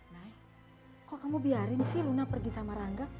nah kok kamu biarin sih luna pergi sama rangga